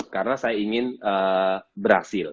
karena saya ingin berhasil